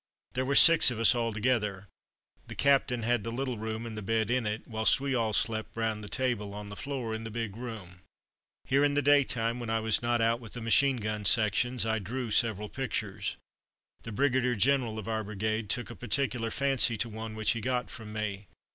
There were six of us altogether. The Captain had the little room and the bed in it, whilst we all slept round the table on the floor in the big room. Here, in the daytime, when I was not out with the machine gun sections, I drew several pictures. The Brigadier General of our brigade took a particular fancy to one which he got from me.